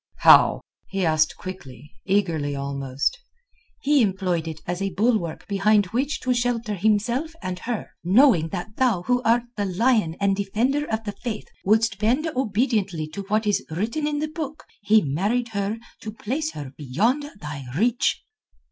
"How?" he asked quickly, eagerly almost. "He employed it as a bulwark behind which to shelter himself and her. Knowing that thou who art the Lion and defender of the Faith wouldst bend obediently to what is written in the Book, he married her to place her beyond thy reach."